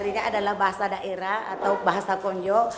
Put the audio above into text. ini adalah bahasa daerah atau bahasa konjo